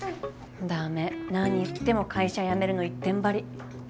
駄目何言っても会社辞めるの一点張り。